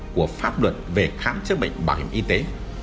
của pháp luật về khám chữa bệnh bảo hiểm y tế